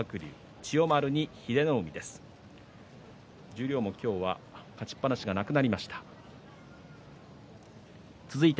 十両、今日勝ちっぱなしがいなくなりました。